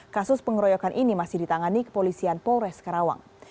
kasus pengeroyokan ini masih ditangani kepolisian polres karawang